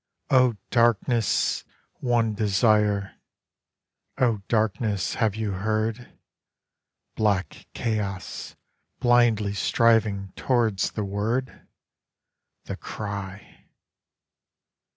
... O darkness' one desire, O darkness, have you heard? Black Chaos, blindly striving towards the Word? The Cry!